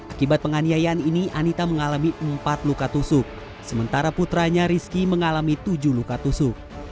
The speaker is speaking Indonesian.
akibat penganiayaan ini anita mengalami empat luka tusuk sementara putranya rizky mengalami tujuh luka tusuk